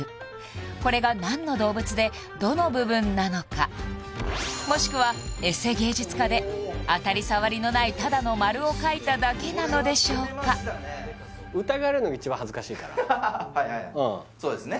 これが何の動物でどの部分なのかもしくはエセ芸術家で当たり障りのないただの丸を描いただけなのでしょうかはいはいそうですね